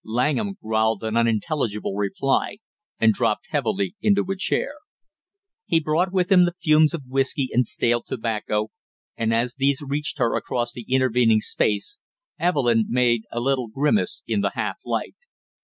Langham growled an unintelligible reply and dropped heavily into a chair. He brought with him the fumes of whisky and stale tobacco, and as these reached her across the intervening space Evelyn made a little grimace in the half light.